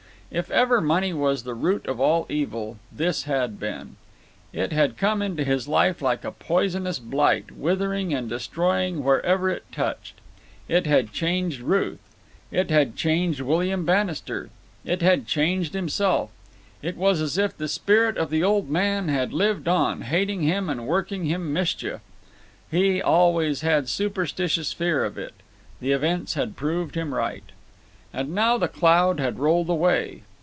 If ever money was the root of all evil, this had been. It had come into his life like a poisonous blight, withering and destroying wherever it touched. It had changed Ruth; it had changed William Bannister; it had changed himself; it was as if the spirit of the old man had lived on, hating him and working him mischief. He always had superstitious fear of it; and events had proved him right. And now the cloud had rolled away.